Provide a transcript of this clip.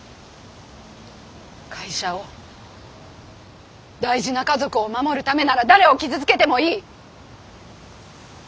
会社を大事な家族を守るためなら誰を傷つけてもいい。